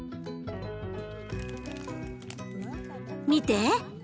見て。